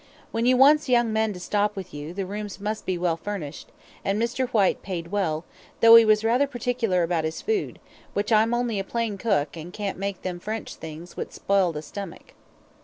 "When you wants young men to stop with you, the rooms must be well furnished, an' Mr. Whyte paid well, tho' 'e was rather pertickler about 'is food, which I'm only a plain cook, an' can't make them French things which spile the stomach."